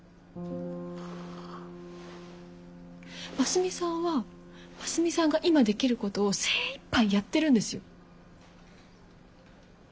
ますみさんはますみさんが今できることを精いっぱいやってるんですよ。